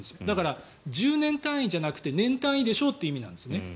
だから、１０年単位じゃなくて年単位でしょうということですね。